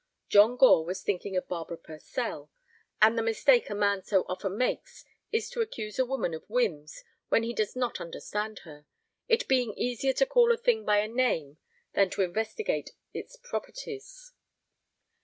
John Gore was thinking of Barbara Purcell; and the mistake a man so often makes is to accuse a woman of whims when he does not understand her, it being easier to call a thing by a name than to investigate its properties.